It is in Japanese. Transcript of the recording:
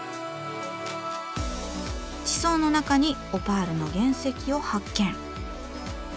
地層の中にオパールの原石を発見。